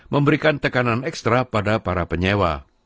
memberikan tekanan ekstra pada para penyewa